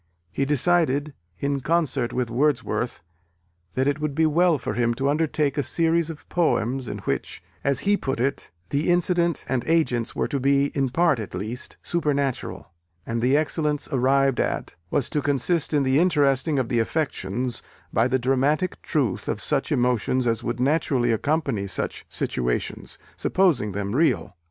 He decided, in concert with Wordsworth, that it would be well for him to undertake a series of poems in which, as he put it, "the incident and agents were to be, in part at least, supernatural: and the excellence arrived at was to consist in the interesting of the affections by the dramatic truth of such emotions as would naturally accompany such situations, supposing them real.